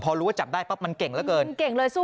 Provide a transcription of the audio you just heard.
พอรู้ว่าจับได้ปั๊บมันเก่งแล้วเกิน